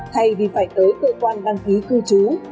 thay vì phải tới cơ quan đăng ký cư trú